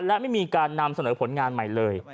และไม่มีการนำเสนอผลงานใหม่เลย